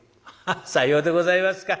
「さようでございますか。